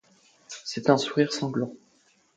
C’était un sourire sanglant.